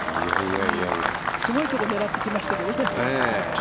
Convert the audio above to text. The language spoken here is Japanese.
すごいところ狙ってきましたけど。